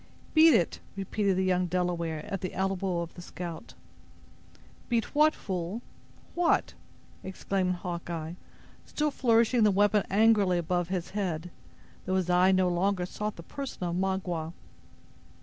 "Beat it," repeated the young Delaware at the elbow of the scout. "Beat what, fool!—what?" exclaimed Hawkeye, still flourishing the weapon angrily above his head, though his eye no longer sought the person of Magua.